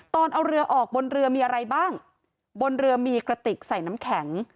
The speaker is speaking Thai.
ตอนเอาเรือออกบนเรือมีอะไรบ้างบนเรือมีกระติกใส่น้ำแข็ง